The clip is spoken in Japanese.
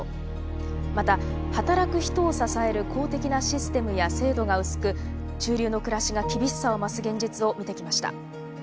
また働く人を支える公的なシステムや制度が薄く中流の暮らしが厳しさを増す現実を見てきました。